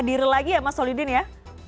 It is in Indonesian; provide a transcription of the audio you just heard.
diri lagi ya mas solidin ya